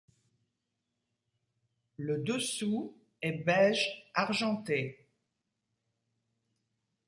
Le dessous est beige argenté.